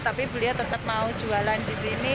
tapi beliau tetap mau jualan di sini